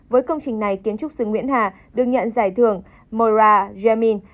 với công trình này kiến trúc sư nguyễn hà được nhận giải thưởng mora jamin